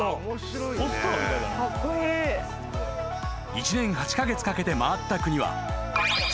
［１年８カ月かけて回った国は］